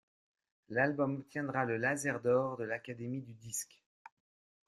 L'album obtiendra le Laser d'or de l'Académie du disque.